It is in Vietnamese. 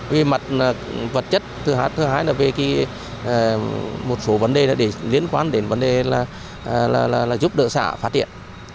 về mặt vật chất thứ hai là về một số vấn đề liên quan đến vấn đề giúp đỡ xã phát triển